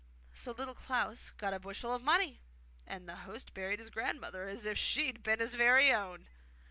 So Little Klaus got a bushel of money, and the host buried his grandmother as if she had been his own.